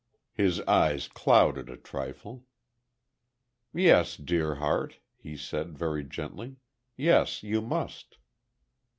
His eyes clouded a trifle. "Yes, dear heart," he said, very gently, "yes, you must."